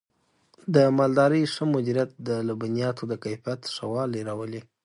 د مالدارۍ ښه مدیریت د لبنیاتو د کیفیت ښه والی راولي.